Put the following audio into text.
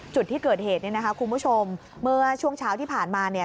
จุดที่เกิดเหตุเนี่ยนะคะคุณผู้ชมเมื่อช่วงเช้าที่ผ่านมาเนี่ย